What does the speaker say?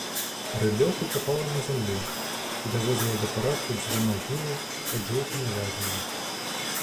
Рыдлёўкай капала яна зямлю і даводзіла да парадку дзве магілы пад жоўтымі вязамі.